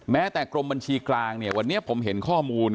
แม้แต่กรมบัญชีกลางเนี่ยวันนี้ผมเห็นข้อมูล